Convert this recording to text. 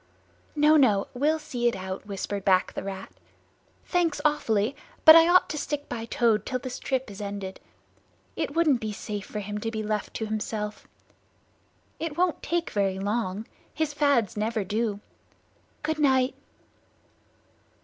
"No, no, we'll see it out," whispered back the Rat. "Thanks awfully, but I ought to stick by Toad till this trip is ended. It wouldn't be safe for him to be left to himself. It won't take very long. His fads never do. Good night!"